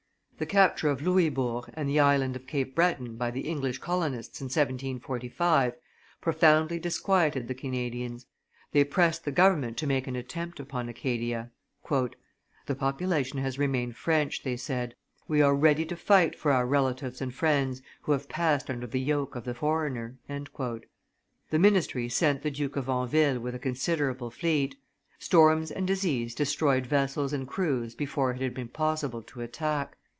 The capture of Louisbourg and of the Island of Cape Breton by the English colonists, in 1745, profoundly disquieted the Canadians. They pressed the government to make an attempt upon Acadia. "The population has remained French," they said; "we are ready to fight for our relatives and friends who have passed under the yoke of the foreigner." The ministry sent the Duke of Anville with a considerable fleet; storms and disease destroyed vessels and crews before it had been possible to attack.